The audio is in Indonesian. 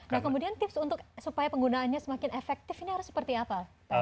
nah kemudian tips untuk supaya penggunaannya semakin efektif ini harus seperti apa